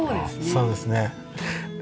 そうですね。